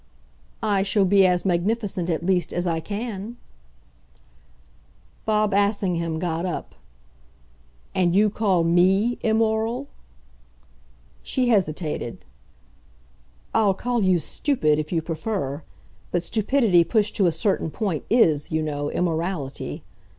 "I shall be as magnificent, at least, as I can." Bob Assingham got up. "And you call ME immoral?" She hesitated. "I'll call you stupid if you prefer. But stupidity pushed to a certain point IS, you know, immorality.